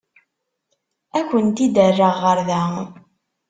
Ad kent-id-rreɣ ɣer da.